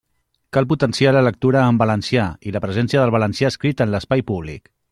Cal potenciar la lectura en valencià i la presència del valencià escrit en l'espai públic.